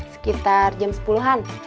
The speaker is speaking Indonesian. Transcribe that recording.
sekitar jam sepuluh an